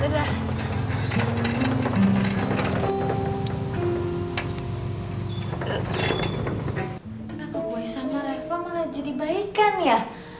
kenapa gue sama reva malah jadi baikan ya